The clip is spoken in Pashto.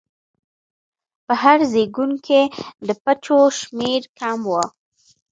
په هر زېږون کې د بچو شمېر کم و.